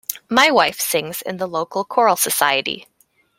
My wife sings in the local choral society